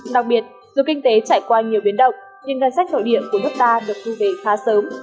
đặc biệt dù kinh tế trải qua nhiều biến động nhưng ngân sách nội địa của nước ta được thu về khá sớm